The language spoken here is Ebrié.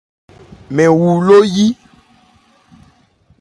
Mɛn wu ló yí.